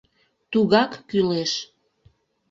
Тугак кӱлеш!..